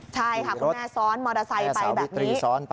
ใช่ค่ะคุณแม่ซ้อนมอเตอร์ไซค์ไปแบบนี้